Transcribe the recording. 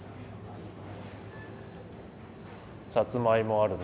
さつまいもあるね。